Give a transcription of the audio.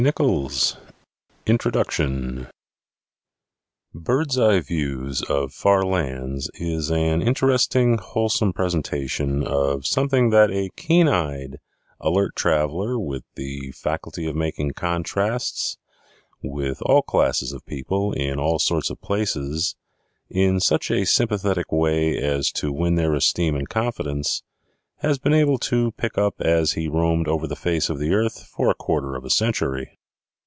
NICHOLS] INTRODUCTION Birdseye Views of Far Lands is an interesting, wholesome presentation of something that a keen eyed, alert traveler with the faculty of making contrasts with all classes of people in all sorts of places, in such a sympathetic way as to win their esteem and confidence, has been able to pick up as he has roamed over the face of the earth for a quarter of a century.